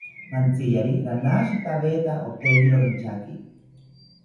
Mantziyari ranashitaweta oteyiro inchaki